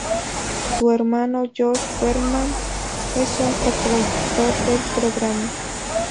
Su hermano Josh Berman es un co-productor del programa.